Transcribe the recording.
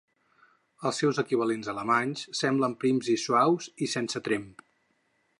Els seus equivalents alemanys semblen prims i suaus i sense tremp.